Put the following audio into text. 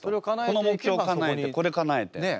この目標かなえてこれかなえて。